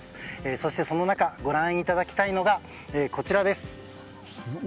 そして、その中ご覧いただきたいのがこちら。